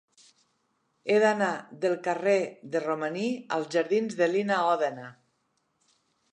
He d'anar del carrer de Romaní als jardins de Lina Ódena.